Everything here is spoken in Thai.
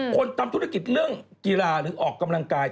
คนทำธุรกิจเรื่องกีฬาหรือออกกำลังกาย